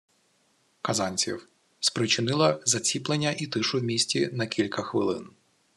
Казанців, спричинила заціпеніння і тишу в місті на кілька хвилин…